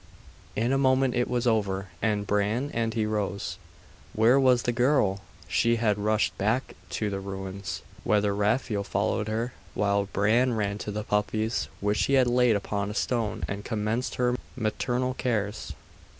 In a moment it was over, and Bran and he rose Where was the girl? She had rushed back to the ruins, whither Raphael followed her; while Bran ran to the puppies, which he had laid upon a stone, and commenced her maternal cares.